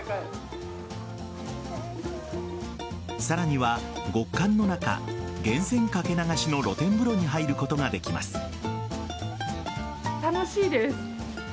さらには、極寒の中源泉掛け流しの露天風呂に入ることができます。